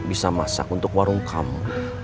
bisa masak untuk warung kamu